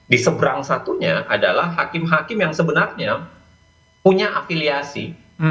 di seberang satunya adalah hakim hakim yang sebenarnya punya afiliasi